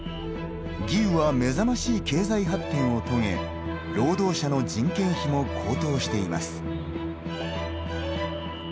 義烏は目覚ましい経済発展を遂げ労働者の人件費も高騰しています。